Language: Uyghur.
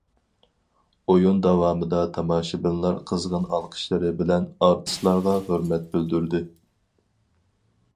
ئويۇن داۋامىدا تاماشىبىنلار قىزغىن ئالقىشلىرى بىلەن ئارتىسلارغا ھۆرمەت بىلدۈردى.